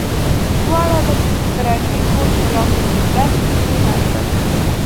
دواړه له برنډې کوز شول او په بس کې کېناستل